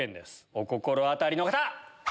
お心当たりの方！